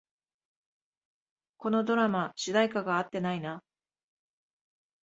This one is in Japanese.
このドラマ、主題歌が合ってないな